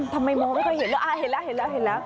ทำไมมองไม่ค่อยเห็นแล้วอ่าเห็นแล้วเห็นแล้วเห็นแล้ว